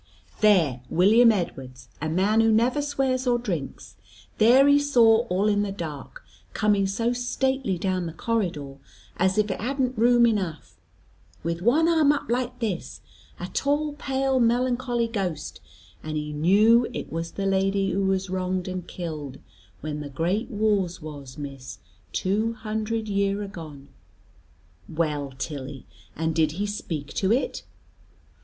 "There William Edwards, a man who never swears or drinks, there he saw all in the dark, coming so stately down the corridor, as if it hadn't room enough, with one arm up like this, a tall pale melancholy ghost, and he knew it was the lady who was wronged and killed, when the great wars was, Miss, two hundred year agone." "Well, Tilly, and did he speak to it?"